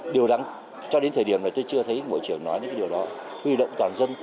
điều đó cho đến thời điểm này tôi chưa thấy bộ trưởng nói những điều đó huy động toàn dân